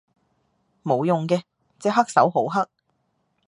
冇用嘅，隻黑手好黑